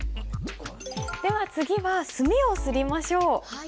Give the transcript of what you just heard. では次は墨を磨りましょう。